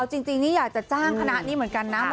เอาจริงอยากจะจ้างคณะนี้เหมือนกันน้ำครบ